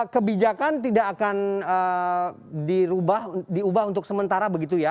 pertanyaan kan tidak akan diubah untuk sementara begitu ya